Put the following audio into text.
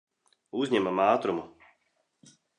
Uzņemam ātrumu.